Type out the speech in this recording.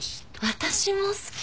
私も好き！